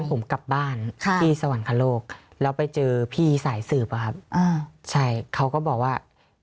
ผมกลับบ้านที่สวรรคโลกแล้วไปเจอพี่สายสืบอะครับใช่เขาก็บอกว่า